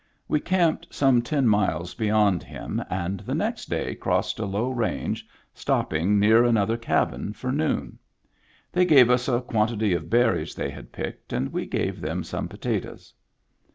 We camped some ten miles beyond him, and the next day crossed a low range, stopping near another cabin for noon. They gave us a quan tity of berries they had picked, and we gave them some potatoes.